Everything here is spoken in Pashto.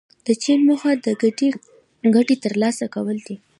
د چین موخه د ګډې ګټې ترلاسه کول دي.